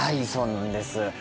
そうなんです。